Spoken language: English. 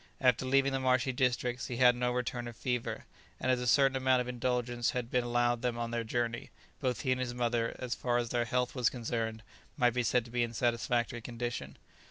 After leaving the marshy districts he had no return of fever, and as a certain amount of indulgence had been allowed them on their journey, both he and his mother, as far as their health was concerned, might be said to be in a satisfactory condition.